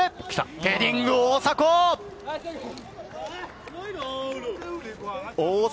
ヘディング、大迫！